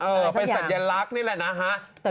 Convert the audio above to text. บรรยากับสัญญาณรักนี่แหละน๊ะแต่